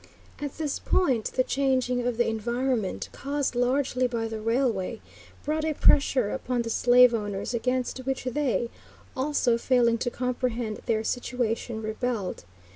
At this point the changing of the environment, caused largely by the railway, brought a pressure upon the slave owners against which they, also failing to comprehend their situation, rebelled.